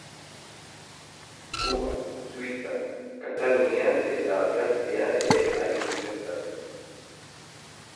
Kuban, Suitzan, Katalunian eta Frantzian ere aritu zen taldea.